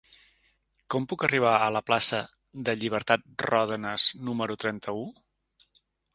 Com puc arribar a la plaça de Llibertat Ròdenas número trenta-u?